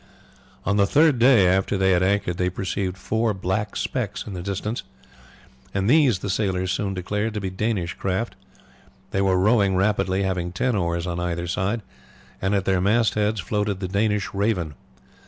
On the third day after they had anchored they perceived four black specks in the distance, and these the sailors soon declared to be Danish craft. They were rowing rapidly, having ten oars on either side, and at their mast heads floated the Danish Raven.